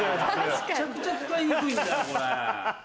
むちゃくちゃ使いにくいんだよこれ。